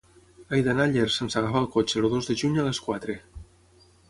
He d'anar a Llers sense agafar el cotxe el dos de juny a les quatre.